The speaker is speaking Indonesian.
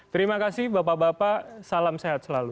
terima kasih bapak bapak salam sehat selalu